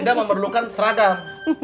tidak memerlukan seragam